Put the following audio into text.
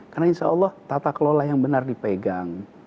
karena insya allah tata kelola yang benar dipegang